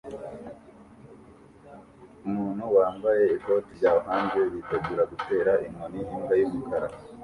Umuntu wambaye ikoti rya orange yitegura gutera inkoni imbwa yumukara